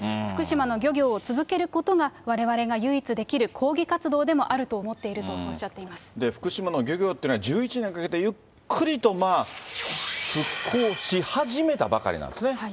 福島の漁業を続けることが、われわれが唯一できる抗議活動でもあると思っているとおっしゃっ福島の漁業っていうのは、１１年かけて、ゆっくりと復興し始めたばかりなんですね。